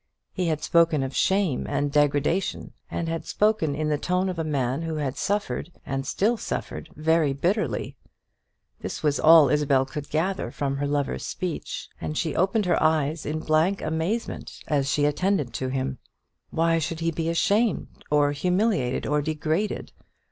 He had spoken of shame and degradation, and had spoken in the tone of a man who had suffered, and still suffered, very bitterly. This was all Isabel could gather from her lover's speech, and she opened her eyes in blank amazement as she attended to him. Why should he be ashamed, or humiliated, or degraded?